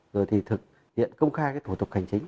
rồi thì thực hiện công khai cái thủ tục hành chính